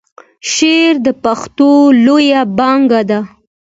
شعر د پښتو لویه پانګه ده.